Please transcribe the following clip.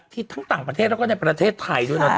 ทั้งต่างประเทศแล้วก็ในประเทศไทยด้วยนะ